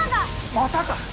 またか。